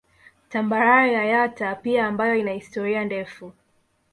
Tambarare ya Yatta pia ambayo ina historia ndefu